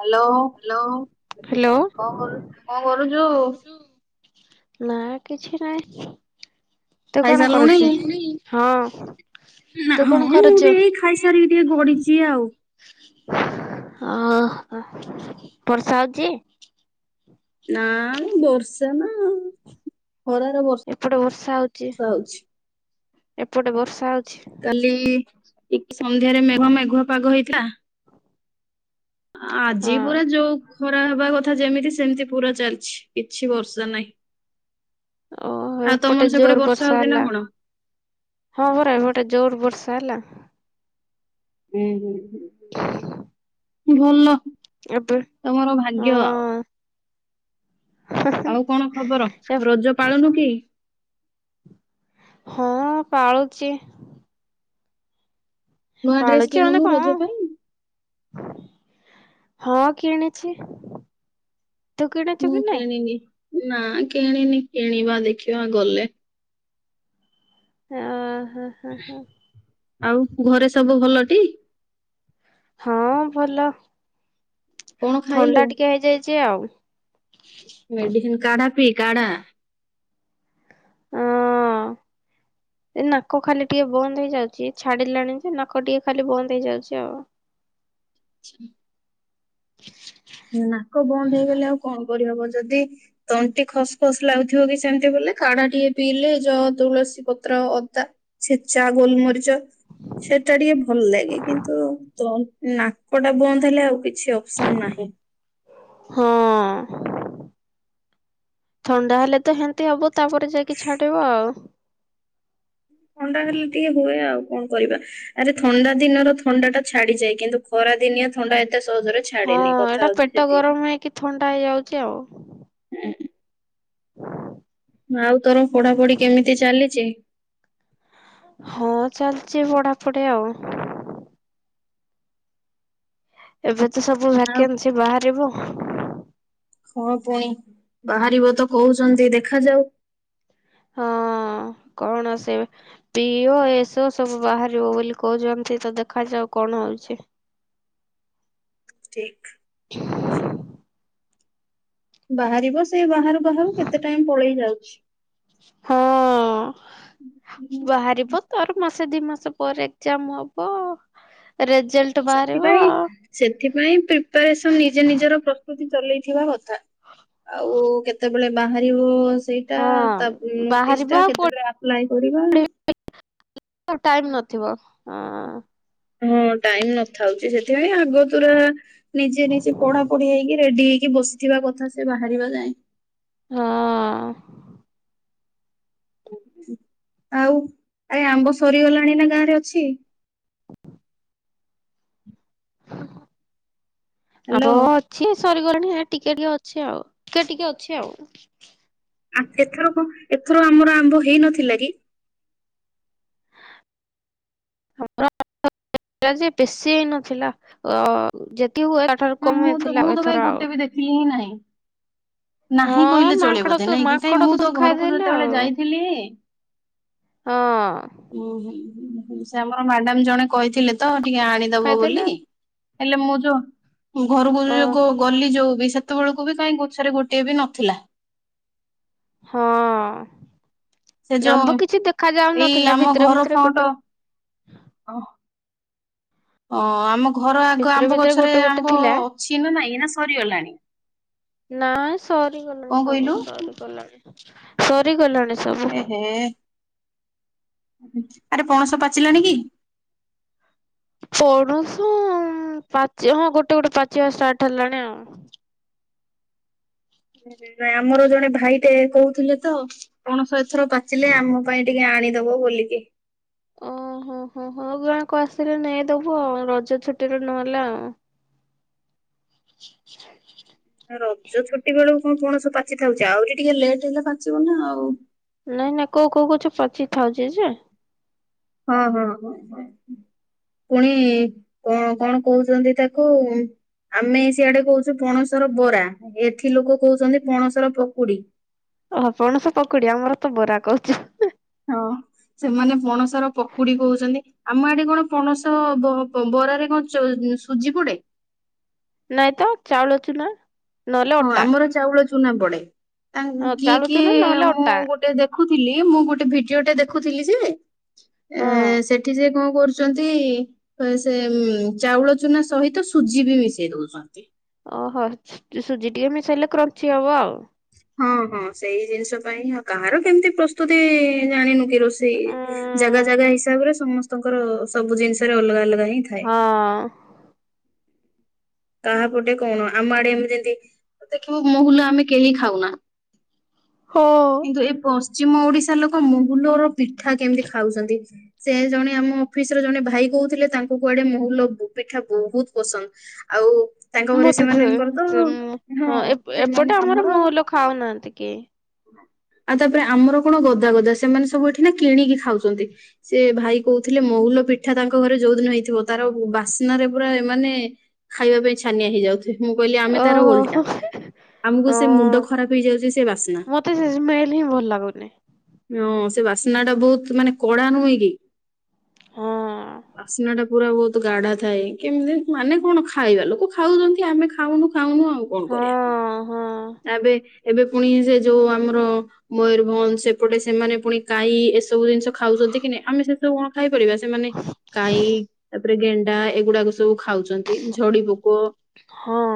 Hello hello. କଣ କରୁ କଣ କରୁଛୁ? ନା କିଛି ନାହିଁ। ତୁ କଣ ଖାଇସାରିଲୁଣି କରୁଛୁ ହଁ ତୁ ନାମ କଣ ମୁଁ କରୁଛୁ? ବି ଏଇ ଖାଇସାରିକି ଟିକେ ଗଡିଛି ଆଉ। ଅ ଅ ବର୍ଷା ହଉଚି। ନାଁ ମ ବୋର୍ସ। [unintelligible] ଖରାରେ ବଶ ଏପଟେ ହଉଛି। ବର୍ଷା ହଉଛି। ଏପଟେ ବର୍ଷା ହଅ କଲି। ଟିକ୍। ସନ୍ଧ୍ୟାରେ ମେଘ ମେଘୁଆ ପାଗ ହେଇ ନା। ଆଜି ହଁ ପୁରା ଯୋଉ ଖରା ହେବା କଥା ଯେମିତି ସେମିତି ପୁରା ଚାଲିଛି କିଛି ବର୍ଷା ନାହିଁ। ଓ ଆଉ ତମର ଏପଟେ ସେପଟେ ଜୋର ବର୍ଷା ହଉଛି ନା ହେଲା କଣ? ହଁ ପୁରା ଗୋଟେ ଯୋର ବର୍ଷା ହେଲା। ହୁଁ ହୁଁ। [inaudible] ଭଲ ଏବେ ତମର ଭାଗ୍ୟ ଆଉ। ହଁ ଆଉ କଣ ଖବର ରଜ ପାଳୁନୁ କି? ହଁ ପାଳୁଚି। ନୂଆ ଡ୍ରେସ ମାନେ କିଣୁନୁ କଣ ରଜ ପାଇଁ। ହଁ କିଣିଛି। ତୁ କିଣିଛୁ ମୁଁ କି ନାହିଁ? କିଣିନି ନା କିଣିନି, କିଣିବା ଦେଖିବା ଗଲେ। ହଁ। ହଁ ହଁ ହଁ। ଆଉ ଘରେ ସବୁ ଭଲଟି। ହଁ ଭଲ। କଣ ଥଣ୍ଡା ଟିକେ ହେଇଯାଇଛି ଆଉ। ମେଡ଼ିସିନ୍ କାଢ଼ା ପି କାଢା ହଁ ଏ ନାକ ଖାଲି ଟିକେ ବନ୍ଦ ହେଇଯାଉଛି ଛାଡିଲାଣି ଯେ ନାକ ଟିକେ ଖାଲି ବନ୍ଦ ହେଇଯାଉଛି ଆଉ। ଆଛା। [inaudible] ବନ୍ଦ ହେଇଗଲେ ଆଉ କଣ କରିହବ ଯଦି ତଣ୍ଟି ଖସ ଖସ ଲାଗୁଥିବ କି ସେମିତି ବୋଲେ କାଢା ଟିକେ ପିଇଲେ ଯ ତୁଳସୀ ପତ୍ର ଅଦା ଛେଚା ଗୋଲମରିଚ ସେଟା ଟିକେ ଭଲ ଲାଗେ କିନ୍ତୁ ନାକ ଟା ବନ୍ଦ ହେଲେ ଆଉ କିଛି ଅପ୍ସନ୍ ନାହିଁ। ହଁ ଥଣ୍ଡା ହେଲେ ତ ସେମତି ହବ ତାପରେ ଯାଇକି ଛାଡେଇିବ ଆଉ। ଥଣ୍ଡା ହେଲେ ଟିକେ ହୁଏ ଆଉ କଣ କରିବା ଆରେ ଥଣ୍ଡା ଦିନର ଥଣ୍ଡା ଟା ଛାଡିଯାଏ କିନ୍ତୁ ଖରା ଦିନିଆ ଥଣ୍ଡା ଏତେ ସହଜରେ ହଁ ଛାଡେନି କଥା ଏଇଟା ହଉଛି ପେଟ ସେଠି ଗରମ ହେଇକି ଥଣ୍ଡା ହେଇଯାଉ ଚି ଆଉ। ହୁଁ। [inaudible] ଆଉ ତୋର ପଢାପଢି କେମିତି ଚାଲିଚି। ହଁ ଚାଲିଛି ପଢାପଢି ଆଉ। ଏବେ ସବୁ ଭକେନ୍ସି ବାହାରିବ। ହଁ ପୁଣି ବାହାରିବ ତ କହୁଛନ୍ତି ଦେଖ ଯାଉ ହଁ କଣ ସେ ପିଓ ଏସ ସବୁ ସବୁ ବାହାରିବ ବୋଲି କହୁଛନ୍ତି, ତ ଦେଖାଯାଉ କଣ ହଉଛି। ଠିକ୍। [inaudible] ବାହାରିବ ସେ ବାହାରୁ ବାହାରୁ କେତେ ଟାଇମ୍ ପଳେଇ ଯାଉ। ଇସ୍ ହଁ ବାହାରିବ ତୋର ମାସ ସେ ଦି ମାସ ପରେ ଏକ୍ମାମ ହବ। ରେଜଲ୍ଟ ବାହାରିବ ସେଥିପାଇଁ ଆଉ। ସେଥିପାଇଁ ପ୍ରିପାରେସନ ନିଜେ ନିଜର ଏମତି ଚଲେଇଥିବା କଥା ଆଉ କେତେ ଳେ ବାହାରିବ ସେଇଟା ହଁ ତା ପରେ ନୋଟିସ୍ ବାହାରିବା ଟା ଆଉ କେତେବେଳେ ଆପ୍ଲାଏ କରିବା। ଥିବ ହଁ। ହଁ ଟାଇମ ନଥାଉଛି ସେଥିପାଇଁ ଆଗ ତୁରା ନିଜେ ନିଜେ ପଢା ପଢି ହେଇକି ରେଡି ହେଇକି ବସିଥିବା କଥା ସେ ବାହାରିବା ଯାଏଁ। ହଁ। ଆଉ ଆରେ ଆମ୍ବ ସରିଗଲାଣି ନା ଗାଁ ରେ ଅଛି। [unintelligible] ହାଲୋ। [unintelligible] ଅଛି ସରିଗଲାଣି ହେ ଟିକେ ଟିକେ ଅଛି ଆଉ କିଏ ଟିକେ ଅଛି ଆଉ। ଆଉ ସେଥର କଣ? ଥର ଆମର ଆମ୍ବ ହେଇ ନଥିଲା କି? [inaudible] ବେଶୀ ହେଇ ନଥିଲା ଅ ଯେ ମ ମୁଁ ତ ମୁଁ ତ କାଇଁ ଗୋଟେ ବି ଦେଖିଲି ହିଁ ନାହିଁ। ନାହିଁ ହଁ କହିଲେ ମାଙ୍କଡ ଚଳିବ ଦ ତ ନାଇ କିି କାଇଁ ମାଙ୍କଡ ମୁଁ ତ ସବୁ ଘରକୁ ଖାଇଦେଲେ ଯେତେବେଳେ ଆଉ ଯାଇଥିଲି ହଁ। ଉଁ ହୁଁ। ସେ ଆମର ମ୍ୟାଡାମ ଜଣେ କହିଥିଲେ ତ ଟିକେ ଆଣିଦବ ଖାଇଦେଲେ ବୋଲି। ହେଲେ ମୁଁ ଯୋଉ ଘରକୁ ଅ ଯ ଗଲି ଯୋଉ ବି ସେ ସେତେବେଳକୁ ବି କାହିଁ ଗଛରେ ଗୋଟିଏ ବି ନଥିଲା। ହଁ। ସେ ଯୋଉ ଆମ୍ବ କିଛି ଦେଖା ଏଇ ଯାଉନଥିଲା ଆମ ଭିତରେ ଘର ଭିତରେ ଫ୍ରଣ୍ଟ ଗୋଟେ ଅ ଓ ଆମକୁ ଘର ଆଗ ଭିତରେ ଆମ୍ବ ଭିତରେ ଗଛରେ ଗୋଟେ ଗୋଟେ ଆମ୍ବ ଥିଲା। ଅଛି ନା ନାଇଁ ନା ସରିଗଲାଣି? ନାଇଁ ସରିଗଲାଣି କଣ ସବୁ କହିଲୁ ସରିଗଲାଣି। ସରିଗଲାଣି। ସବୁ। ଏ ହେ। ଆରେ ପଣସ ପାଚିଲାଣି କି? ପଣସ ପାଚିବା ହଁ ଗୋଟେ ଗୋଟେ ପାଚିବା ଷ୍ଟାର୍ଟ ହେଲାଣି ଆଉ। ଆମର ଜଣେ ଭାଇ ଟେ କହୁଥିଲେ ତ ପଣସ ଏଥର ପାଚିଲେ ଆମ ପାଇଁ ଟିକେ ଆଣିଦବ ବୋଲିକି। ଓହୋ ହୋ ହ ଗାକୁ ଆସିଲେ ନେଇଦବୁ ଆ ରଜ ଛୁଟିରେ ନହେଲେ ଆଉ। ରଜ ଛୁଟି ବେଳକୁ କଣ ପଣସ ପାଚି ଥାଉଛି ଆହୁରି ଟିକେ ଲେଟ୍ ହେଲା ପାଚିବ ନା ଆଉ। ନାଇଁ ନାଇଁ କୋଉ କୋଉ ଗଛ ପଚିଥାଉଛି ଯେ ହଁ ହଁ ହଁ ହ ପୁଣି କଣ କଣ କହୁଛନ୍ତି ତାକୁ ଆମେ ସିଆଡେ କହୁଛୁ ପଣସର ବରା ଏଠି ଲୋକ କହୁଛନ୍ତି ପଣସର ପକୁଡି। ଓ ପଣସ ପକୁଡି ଆମର ତ ବରା କହୁଛୁ। ହଁ ସେମାନେ ପଣସର ପକୁଡି କହୁଛନ୍ତି ଆମ ଆଡେ କଣ ପଣସ ବରାରେ କଣ ସୁଜି ପଡେ? ନାଇଁ ତ ଚାଉଳ ଚୁନା। ନହେଲେ ହଁ ଅଟା ଆମର ଚାଉଳ ଚୁନା ପଡ଼େ। ହଁ କିଏ ଚାଉଳ କିଏ ଚୁନା ନହେଲେ ମୁଁ ଅଟା ଗୋଟେ ଦେ ଦେଖୁଥିଲି ମୁଁ ଗୋଟେ ଭିଡିଓ ଟେ ଦେଖୁଥିଲି ଯେ ଏ ହଁ। ସେଠି ଯେ କଣ କରୁଛନ୍ତି ସେ ଚାଉଳ ଚୁନା ସହିତ ସୁଜି ବି ମିଶେଇ ଦଉଛନ୍ତି। ଓହୋ ସୁଜି ଟିକେ ମିଶାଇଲେ କ୍ରଞ୍ଚି ହବ ଆଉ। ହଁ ହଁ ସେଇ ଜିନିଷ ପାଇଁ ଆଉ କାହାର କେମିତି ପ୍ରସ୍ତୁତି ଜାଣିନୁ। ରୋଷେଇ ଜାଗା ଉଁ ଜାଗା ହିସାବରେ ସମସ୍ତ ଙ୍କର ସବୁ ଜିନିଷରେ ଅଲଗା ଅଲଗା ରହି ଏ ହଁ ତାାହାପଟେ କଣ ଆମ ଆଡେମ ଯେମିତି ଦେଖିବ ମହୁଲ ଆମେ କେହି ଖାଉନା। ହୋ କିନ୍ତୁ ଏ ପଶ୍ଚିମ ଓଡିଶା ଲୋକ ମୁଁ। ମହୁଲର ପିଠା କେମିତି ଖାଉଛନ୍ତି ସେ ଜଣେ ଆମ ଅଫିସ ର ଜଣେ ଭାଇ କହୁଥିଲେ ତାଙ୍କୁ କୁଆଡେ ମହୁଲ ପିଠା ବହୁତ ପସନ୍ଦ। ଆଉ ତାଙ୍କ ଘରେ ମୋତ ସେମାନଙ୍କର ତ ହଁ ସେମାନେ ଏପଟେ ଆମର ମଉଲ ଖାଉନାହାନ୍ତି କି? ଆଉ ତାପରେ ଆମର କଣ ଗଦା ଗଦା ସେମାନେ ସବୁ ଏଠି ନା କିଣିକି ଖାଉଛନ୍ତି ସେ ଭାଇ କହୁଥିଲେ ମହୁଲ ପିଠା ତାଙ୍କ ଘରେ ଯୋଉଦିନ ହେଇଥିବ ତାର ବାସ୍ନାରେ ପୁରା ଏମାନେ ଖାଇବା ପାଇଁ ଛାନିଆ ହେଇଯାଉଥିଲା। ମୁଁ କହିଲି ଆମେ ତାର ଓଲଟା ଓହୋ। ଆମକୁ ସେ ମୁଣ୍ଡ ହଁ ଖରାପ ହେଇଯାଉଛି ସେ ବାସ୍ନା ମତେ ସେ ସ୍ମେଲ ହିଁ ଭଲ ଲାଗୁନି ହ ସେ ବାସ୍ନା ଟା ବହୁତ ମାନେ କଡା ନୁହେଁ କି ହଁ ବାସନାଟା ପୁରା ବହୁତ ଗାଢା ଥାଏ କେମିତି ମାନେ କଣ? ଖାଇବା ଲୋକ ଖାଉଛନ୍ତି ଆମେ ଖାଉନୁ ଖାଉନୁଉ ଆଉ କଣ ହଁ କରିବା ହଁ ଏବେ। ଏବେ ପୁଣି ସେ ଯୋଉ ଆମର ମୟରଭଞ୍ଜ ସେପଟେ ସେମାନେ ପୁଣି କଈ ଏସବୁ ଜିନିଷ ଖାଉଛନ୍ତି କି ନା ଆମେ ସେ ସବୁ କଣ ଖାଇପାରିବା। ସେମାନେ କଈ ତାପରେ ଗେଣ୍ଡୁ ଏଗୁଡାକ ସବୁ ଖାଉଛନ୍ତି। ଝଡି ପୋକ ହଁ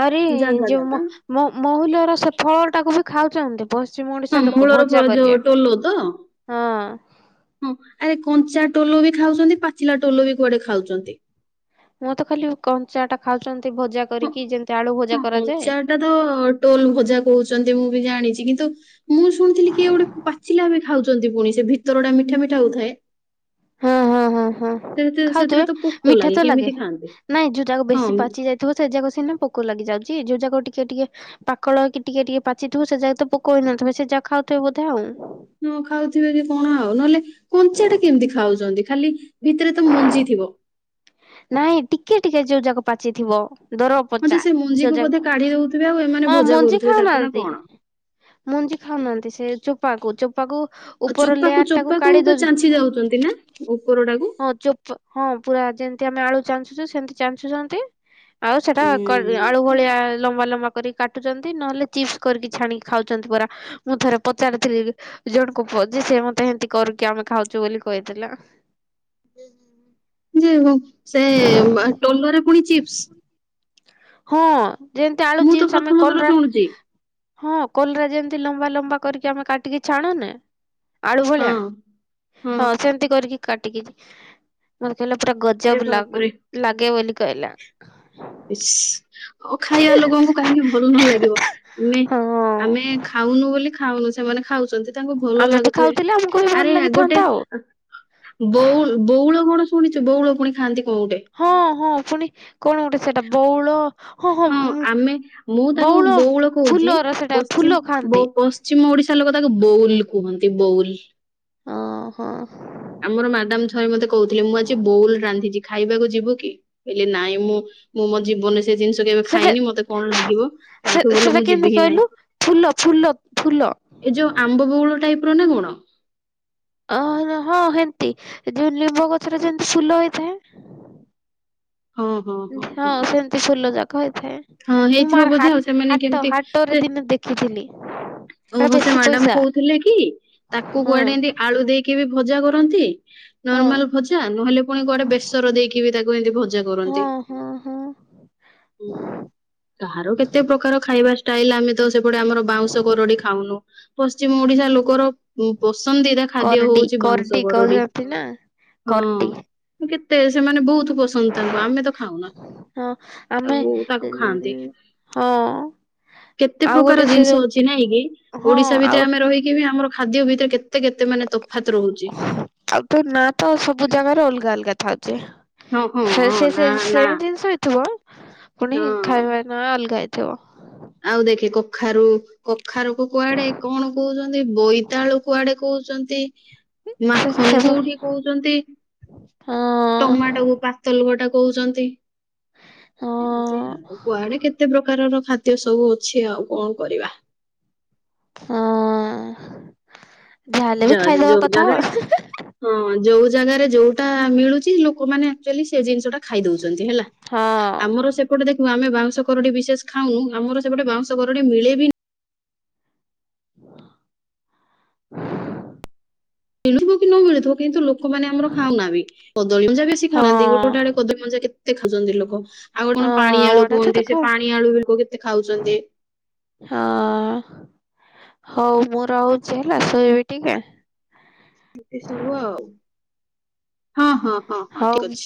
ଆହୁରି ଜାଗା ଯୋଉ ଜାଗା ମହୁଲ୍ୟର ସେ ଫଳ ଟାକୁ ବି? ଖାଉଛନ୍ତି। ପଶ୍ଚିମ ହଁ ଓଡିଶା ଲୋକ ମହୁଳର ଭଜା ଫଳ ଯୋଉ କରିକି ଟୋଲ ତ ହଁ ହଁ ଆରେ କଞ୍ଚା ଟୋଲ ବି ଖାଉଛନ୍ତି ପାଚିଲା ଟୋଲ ବି କୁଆଡେ ଖାଉଛନ୍ତି। ମଁ ତ ଖାଲି କଞ୍ଚା ଟା ଖାଉଛନ୍ତି। ଭଜା ହ କରିକି ଯେମିତି ଆଳୁ ଭଜା ହଁ କରାଯାଏ କଞ୍ଚା ଟା ତ ଟୋଲ ଭଜା କହୁଛନ୍ତି ମୁଁ ବି ଜାଣିଛି। କିନ୍ତୁ। ମୁଁ ଶୁଣିଥିଲି କିଏ ଗୋଟେ ପାଚିଲା ଏବେ ଖାଉଛନ୍ତି ପୁଣି ସେ ଭିତର ଟା ମିଠା ମିଠା ହଉଥାଏ। ହଁ ହଁ ହଁ। ହଁ ସେ ସେଥିରେ ଖାଉଥିବେ ତ ପୋକ ମିଠା ତ ଲାଗେ କେମିତି ଖାଆନ୍ତି? ନାଇଁ ଯୋଉ ଯାକ ହଁ ବେଶୀ ପାଚି ଯାଇଥିବ ସେ ଯାକ ସିନା ପୋକ ଲାଗି ଯାଉଛି ଯୋଉ ଯାାଗା ଟିକେ ଟିକେ ପାଖଳକ କି ଟିକେ ଟିକେ ପାଚିଥିବ ସେ ଯାକ ତ ପୋକ ହେଇନଥିବ ସେ ଯାଗା ଖାଉଥିବେ ବୋଧେ ଆଉ। ହ ଖାଉଥିବେ କି କଣ ଆଉ ନହେଲେ କଞ୍ଚା ଟା କେମିତି ଖାଉଛନ୍ତି ଖାଲି ଭିତରେ ତ ମଞ୍ଜି ଥିବ। ନାଇଁ ଟିକେ ଟିକେ ଯୋଉ ଯାକ ପାଚିଥିବ। ଦର ହଁ ପଚା ଯେ ସେ ଯୋଉ ମଞ୍ଜିକୁ ବୋଧେ ଯାକ କାଢି ଦଉଥିବେ ଆଉ ଏମାନେ ହଁ ଭଜା ମଞ୍ଜି କରୁଥିବେ ତାକୁ ନା ଖାଉନାହାନ୍ତି କଣ? ମଞ୍ଜି ଖାଉନାହାନ୍ତି ସେ ଚୋପାକୁ ଚୁପ୍ ଚୋପାକୁ ଆଉ ଉପର ଚୋପାକୁ ଲେୟାର ଟାକୁ ଚୋପାକୁ କାଢି ବା ଦଉଚୁ ଚାଞ୍ଚି ଯାଉଛନ୍ତି ନା ଉପରଟାକୁ ହଁ ଚୋପ ହଁ। ପୁରା ଯେ ଯେମତି ଆମେ ଆଳୁ ଚାଞ୍ଚୁଚୁ ସେମତି ଚାଞ୍ଚୁଚନ୍ତି। ଆଉ ସେଟା ଉଁ କ-ଆଳୁ ଭଳିଆ ଲମ୍ବା ଲମ୍ବା କରିକି କାଟୁଚନ୍ତି। ନହେଲେ ଚିପ୍ସ କରିକି ଛାଣିକି ଖାଉଚନ୍ତି ପରା। ମୁଁ ଥରେ ପଚାରିଥିଲି ଜଣଙ୍କୁ ଯେ ସେ ମତେ ସେନ୍ତି କରୁ କିି ଆମେ ଖାଉଚୁ ବୋଲି କହିଥିଲେ। ଯେ ହଁ। ସେଏ ମା-ଟୋଲରେ ପୁଣି ଚିପ୍ସ। ହଁଅଁ। ଜେନ୍ତି ଆଳୁ ମୁଁ ତ ଚିପ୍ସ ଆମେ ପ୍ରଥମ ଥର କଲରା ଶୁଣୁଛି ହଁ କଲରା ଯେମ ଲମ୍ବା ଲମ୍ବା କରିକି ଆମେ କାଟିକି ଛାଣୁନେ? ଆଳୁ ହଁ ଭଳିଆ। ହଁ ସେମତି କରିକି। କାଟିକିତି ମ ଲୋ ପୁରା ଆରେ ଗଜବ ଲାଗୁ ବାପରେ ଲାଗେ ବୋଲି କଇଲା। ଇସ୍। ଓ ଖାଇଆ ଲୋକଙ୍କୁ କାହିଁକି ଭଲ ନ ଲାଗିବ? ଆମେ ହଁ ଆମେ ଖାଉନୁ ବୋଲି ଖାଉନୁ ସେ ସେମାନେ। ଖାଉଚନ୍ତି ତାଙ୍କୁ ଭଲ ଆମେ ବି ଲାଗୁଥିବେ। ଖାଉଥିଲେ ଆମକୁ ବି ଭଲ ଆରେ ଆ-ଗୋଟେ ଲାଗିଥାନ୍ତା ଆଉ। ବଉଲ୍ ବଉଳ ବଣ ସୁ ଶୁଣିଚୁ ବଉଳ ପୁଣି ଖାଆନ୍ତି। ହଁ ହଁ। ଫୁଣି। ହୁଁ ଉଁ ଆମେ ମୁଁ ତାକୁ ବଉଳ କହୁଚି। ଫୁଲର ସେଟା ଫୁଲ ପଶ୍ଚିମ ଖାଆନ୍ତି ବ-ପଶ୍ଚିମ ଓଡିଶା ଲୋକ ତା ତାକୁ ବୋଉଲ୍ କୁହନ୍ତି ବୋଉଲ୍। ଅଂ ହଁ। ଆମର ମାଡାମ ଥରେ ମତେ କହୁଥିଲେ, ମୁଁ ଆଜି ବୋଉଲ୍ ରାନ୍ଧିଚି ଖାଇବାକୁ ଯିବୁ କି? କଇଲି ନାଇଁ ମୁଁ ମୁଁ ମୋ ଜୀବନରେ ସେ ଜିନିଷ କେବେ ସେଟା ଖାଇନି ମତେ କଣ ଲାଗିବ ସେ ତାଠୁ ଭଲ ସେଟା ମୁଁ କେମିତି ଯିବି ହିଁ ନାଇଁ, କହିଲୁ ଫୁଲ ଫୁଲ ଫୁଲ ଏ ଯୋଉ ଆମ୍ବ ବୋଉଳ ଟାଇପ ର ନା କଣ? ତି ଏଇ ଲିମ ଗଛର ଯେମିତିନ ଫୁଲ ହେଇଥାଏ। ହଁ ସେମିତି ଫୁଲ ଯାକ ହେଇଥାଏ, ହଁ ମୁଁ ହେଇଥିବ ମୋର୍ ବୋଧେ ଆଉ ହାଟ୍ ସେମାନେ ହାଟ କେମିତି ସେ ହାଟରେ ଦିନେ ଦେଖିଥିଲି। ଏଟା ଓହୋ ସେ ବେଶୀ ମ୍ୟାଡାମ୍ ପଇସା କହୁଥିଲେ କି ତାକୁ ହଁ କୁଆଡେ ଏମତି ଆଳୁ ଦେଇକି ବି ଭଜା କରନ୍ତି। ହଁ ନର୍ମାଲ୍ ଭଜା ନହେଲେ ପୁଣି କୁଆଡେ ବେସର ଦେଇକି ବି ତାକୁ [unintelligible] ପୂଜା ହଁ କରନ୍ତି ହଁ ହଁ କାହାର କେତେ ପ୍ରକାର ଖାଇବା [unintelligible] ଆମେତ ସେପଟେ ଆମର ବାଉଁ ତୁ କରଡି ଖାଉନୁ ପଶ୍ଚିମ ଓଡିଶା ଲୋକର ପସନ୍ଦିଦା ଖାଦ୍ୟ କରଡି ହୋଉଚି ବାଉଁଶ କରଡି କହୁଛନ୍ତି ନା କରଡି ହଁ। ତେ ସେମାନେ ବୋହୁତ। ପସନ୍ଦ ତାଙ୍କୁ ଆମେ ତ ଖାଉନା ହଁ ତା ଆମେ ତାକୁ ଖାଆନ୍ତି ହଁ କେତେ ଆଉ ପ୍ରକାର ଗୋଟେ ସେ ଜିନିଷ ଯୋଉ ଅଛି। ଚିହ୍ନାଇକି ହଁ ଓଡିଶା ଆଉ ଭିତରେ ଆମେ ରହିକି ବି ଆମର। ଖାଦ୍ୟ ଭିତରେ କେ ଆଉ ତୋ ନାଁ ତ ସବୁ ଜାଗାରେ ଅଲଗା ଅଲଗା ଥାଉ। ହଁ ହଁ ନା ସେ-ସେ-ସେ ନା ସେମ୍ ଜିନିଷ ହେଇଥିବ। ଫୁଣି ହଁ। ଖାଇବା ନା ଅଲଗା। ିବ ଆଉ ଦେଖେ କଖାରୁ କଖାରୁକୁ କୁଆଡେ କଣ କୋହୁଚନ୍ତି ବୋଇତାଳୁ କୁଆଡେ କୋହୁଚନ୍ତି। ସେ ସେ ମାଖନ କୋଉଠି କୋହୁଚନ୍ତି। ହଁ ଟମାଟ କୁ ପାତଲ। କୂଅଟା କୋଉଚନ୍ତି। ହଁ ଏମତି ଆଉ କୁଆଡେ କେତେ ପ୍ରକାରର ଖାଦ୍ୟ ସବୁ ଅଛି ଆଉ କଣ କରିବା। ହଁ। ଯାହାହେଲେ ବି ଯ ଖାଇଦବା ଯୋଉ କଥା ଜାଗାରେ ହଁ ଯୋଉ ଜାଗାରେ ଯୋଉଟା ମିଳୁଛି ଲ ଲୋକମାନେେ ଆଆଲି ସେ ଜିଷଟା ଖାଇ ଦଉଛନ୍ତି ହେଲା ହଁ ଆମର ସେପଟେ ଦେଖ କିୁ ଆମେ ବାଉଁଶ କରରଡି ବିଶେଷ ଖାଉନୁ ଆମର ସେପଟେ ବାଉଁଶ କରରଡି ମିଳେ ବିନି କି ନ ମିଳେ କିନ୍ତୁ ଲୋକମାନେ ଆର ଖାଉନାହା ବି କଦଳୀ ମଞା ବେଶ ହଁ ଖାଉନାହା ଗୋଟେଡ ହଁ କଦଳୀ ମଞଜାେ ଦେଖାଉଛନ୍ତି ଲୋକ ଆଉ ଗ କଣ ପାଣି ଆମ ଆଳୁ ଆଡେ ତ କୁହନ୍ତି ଦେଖ ସେ ପାଣି ଆଳୁ କେତେ ଖାଉଛନ୍ତି ହଁ ହଉ ମୁଁ ରହୁଛି ହେଲା ଶୋଇବି ଟିକେ ଏତି ସବୁ ଆଉ ହଁ ହଁ ହଁ ହଁ ଠିକ ହଉ ଅଛି।